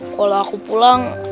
kalau aku pulang